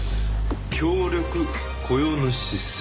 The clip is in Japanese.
「協力雇用主制度」。